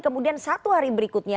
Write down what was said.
kemudian satu hari berikutnya